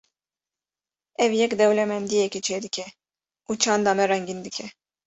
Ev yek dewlemendiyekê çêdike û çanda me rengîn dike.